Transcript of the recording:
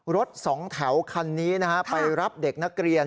รถสองแถวคันนี้นะฮะไปรับเด็กนักเรียน